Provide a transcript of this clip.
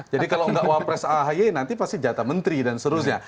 jadi kalau nggak wapres ahy nanti pasti jatah menteri dan seterusnya